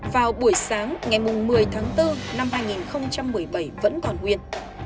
vào buổi sáng ngày một mươi tháng bốn năm hai nghìn một mươi bảy vẫn còn nguyên